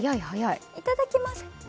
いただきます。